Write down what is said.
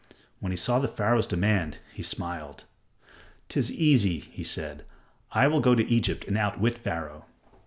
When he saw Pharaoh's demand, he smiled. "'Tis easy," he said. "I will go to Egypt and outwit Pharaoh."